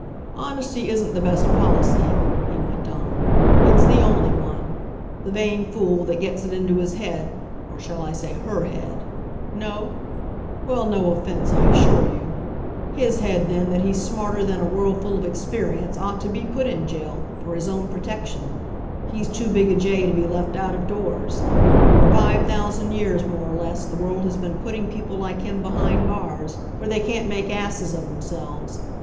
"Honesty isn't the best policy," he went on; "it's the only one. The vain fool that gets it into his head or shall I say her head? No? Well, no offense, I assure you his head then, that he's smarter than a world full of experience, ought to be put in jail for his own protection; he's too big a jay to be left out of doors. For five thousand years, more or less, the world has been putting people like him behind bars, where they can't make asses of themselves.